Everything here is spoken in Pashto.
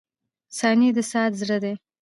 • ثانیې د ساعت زړه دی.